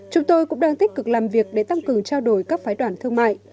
chúng tôi cũng đang tích cực làm việc để tăng cường trao đổi các phái đoàn thương mại